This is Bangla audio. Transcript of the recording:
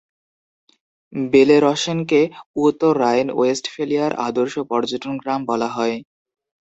বেলেরসেনকে "উত্তর রাইন-ওয়েস্টফেলিয়ার আদর্শ পর্যটন গ্রাম" বলা হয়।